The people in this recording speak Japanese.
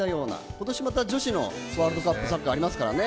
今年また女子のワールドカップサッカーありますからね。